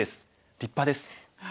立派です。